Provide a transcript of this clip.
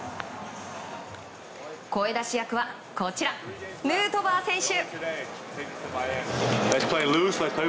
声出し役はこちらヌートバー選手。